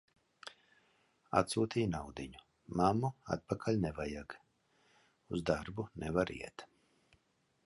Atsūtīja naudiņu: "Mammu, atpakaļ nevajag." Uz darbu nevar iet.